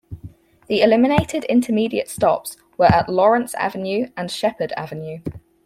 The eliminated intermediate stops were at Lawrence Avenue and Sheppard Avenue.